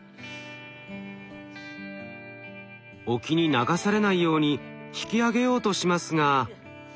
沖に流されないように引き上げようとしますが。